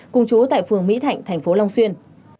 cùng chú tại phường mỹ thạnh thành phố long xuyên